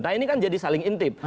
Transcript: nah ini kan jadi saling intip